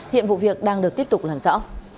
hiện vụ việc đang được tiếp tục làm rõ